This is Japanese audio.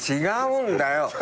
違うんだよ。